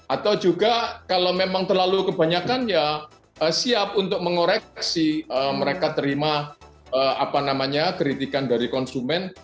atau juga kalau memang terlalu kebanyakan ya siap untuk mengoreksi mereka terima kritikan dari konsumen